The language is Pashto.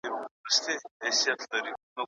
فارابي وايي چي هر غړی بايد خپله دنده بشپړه کړي.